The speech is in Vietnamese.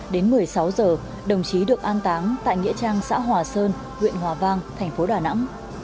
đến một mươi sáu h đồng chí được an táng tại nghĩa trang xã hòa sơn huyện hòa vang tp đà nẵng